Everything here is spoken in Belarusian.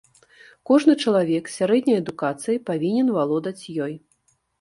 Кожны чалавек з сярэдняй адукацыяй павінен валодаць ёй.